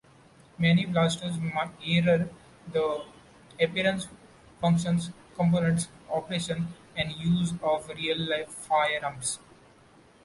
Many blasters mirror the appearance, functions, components, operation, and usage of real life firearms.